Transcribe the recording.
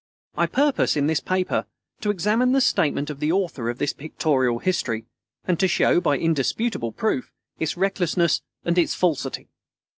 I purpose in this paper to examine the statement of the author of this Pictorial History, and to show, by indisputable proof, its recklessness and its falsity.